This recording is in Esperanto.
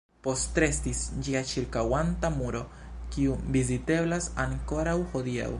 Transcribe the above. Postrestis ĝia ĉirkaŭanta muro, kiu viziteblas ankoraŭ hodiaŭ.